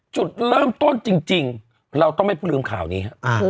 จุดเริ่มต้นจริงเราต้องไม่ลืมข่าวนี้ฮะ